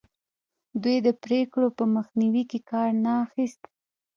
دوی د پرېکړو په مخنیوي کې کار نه اخیست.